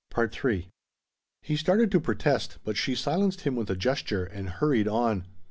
He started to protest, but she silenced him with a gesture and hurried on.